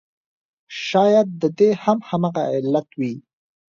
شاید د دې هم همغه علت وي.